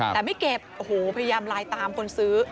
แต่ไม่เก็บโอ้โหพยายามไลน์ตามคนซื้อ